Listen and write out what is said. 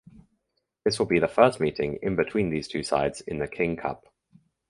This will be the first meeting between these two sides in the King Cup.